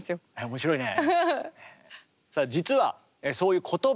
面白いね。